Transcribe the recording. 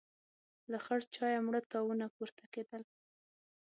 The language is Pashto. له خړ چايه مړه تاوونه پورته کېدل.